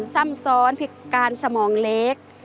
ซ้ำซ้อนพิการสมองเล็ก